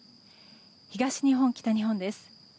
東日本、北日本です。